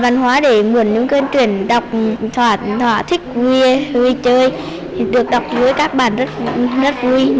văn hóa để mua những cuốn truyền đọc thỏa thích vui chơi được đọc với các bạn rất vui